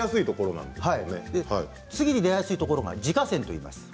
次に出やすいところが耳下腺といいます。